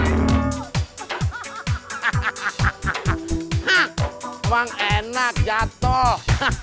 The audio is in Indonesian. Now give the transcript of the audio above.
emang enak jatuh